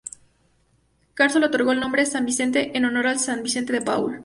Garzón le otorgó el nombre "San Vicente" en honor al San Vicente de Paul.